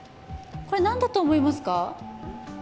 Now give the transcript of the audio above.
これ、何だと思いますか？